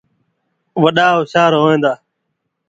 وڏآ هوشآر هوئيݩ دآ